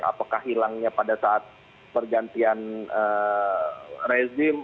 apakah hilangnya pada saat pergantian rezim